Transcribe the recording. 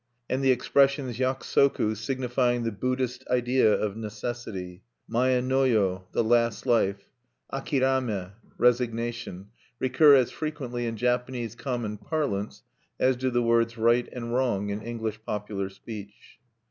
And the expressions Yakusoku, signifying the Buddhist idea of necessity; mae no yo, the last life; akirame, resignation, recur as frequently in Japanese common parlance as do the words "right" and "wrong" in English popular speech.